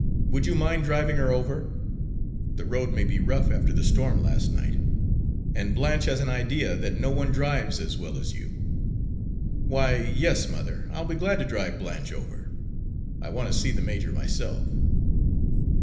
Would you mind driving her over? The road may be rough after the storm last night, and Blanche has an idea that no one drives so well as you." "Why, yes, mother, I'll be glad to drive Blanche over. I want to see the major myself."